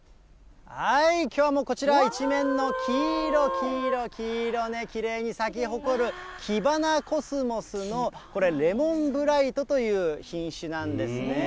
きょうはこちら、一面の黄色、黄色、黄色、きれいに咲き誇る、キバナコスモスのこれ、レモンブライトという品種なんですね。